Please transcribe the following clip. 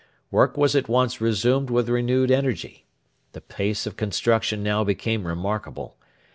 Work was at once resumed with renewed energy. The pace of construction now became remarkable.